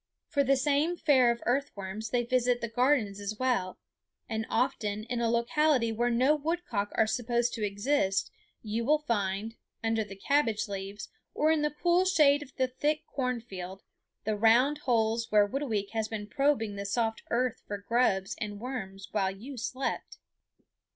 For the same fare of earthworms they visit the gardens as well; and often in a locality where no woodcock are supposed to exist you will find, under the cabbage leaves, or in the cool shade of the thick corn field, the round holes where Whitooweek has been probing the soft earth for grubs and worms while you slept.